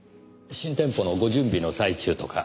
新店舗のご準備の最中とか。